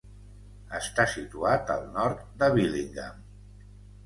Està situat al nord de Billingham.